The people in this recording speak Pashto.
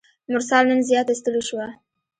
مرسل نن زیاته ستړي شوه.